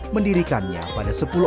mendirikannya pada sepuluh tahun